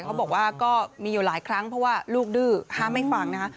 เขาบอกว่าก็มีอยู่หลายครั้งเพราะว่าลูกดื้อห้ามไม่ฟังนะคะ